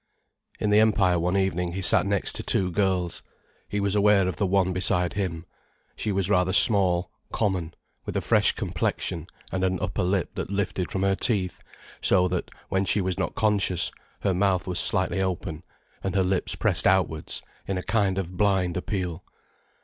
In the Empire one evening he sat next to two girls. He was aware of the one beside him. She was rather small, common, with a fresh complexion and an upper lip that lifted from her teeth, so that, when she was not conscious, her mouth was slightly open and her lips pressed outwards in a kind of blind appeal.